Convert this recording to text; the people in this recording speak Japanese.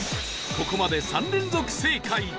ここまで３連続正解